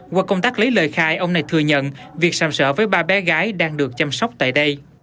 qua công tác lấy lời khai ông này thừa nhận việc sạm sợ với ba bé gái đang được chăm sóc tại đây